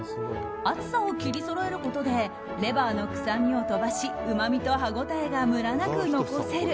厚さを切りそろえることでレバーの臭みを飛ばしうまみと歯応えがムラなく残せる。